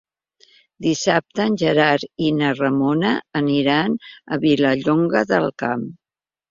Dissabte en Gerard i na Ramona aniran a Vilallonga del Camp.